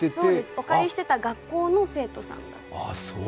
お借りしてた学校の生徒さん。